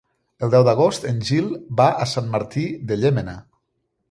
El deu d'agost en Gil va a Sant Martí de Llémena.